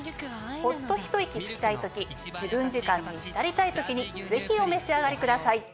ホッとひと息つきたい時自分時間に浸りたい時にぜひお召し上がりください。